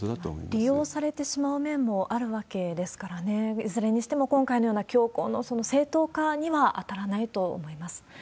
利用されてしまう面もあるわけですからね、いずれにしても今回のような凶行の正当化には当たらないと思います。